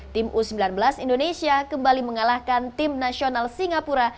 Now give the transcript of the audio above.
tim u sembilan belas indonesia kembali mengalahkan tim nasional singapura